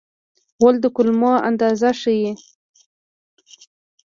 غول د کولمو اندازه ښيي.